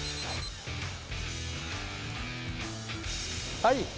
はい。